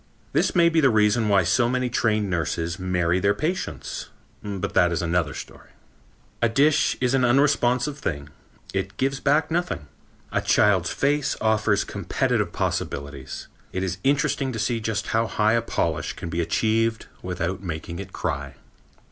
This may be the reason why so many trained nurses marry their patients but that is another story. A dish is an unresponsive thing. It gives back nothing. A child's face offers competitive possibilities. It is interesting to see just how high a polish can be achieved without making it cry.